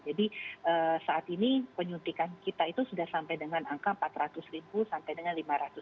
jadi saat ini penyuntikan kita itu sudah sampai dengan angka empat ratus ribu sampai dengan lima ratus ribu